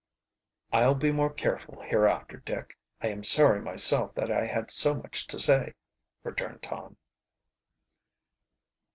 "I'll be more careful hereafter, Dick. I am sorry myself that I had so much to say," returned Tom.